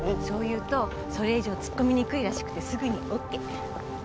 そう言うとそれ以上突っ込みにくいらしくてすぐにオーケー。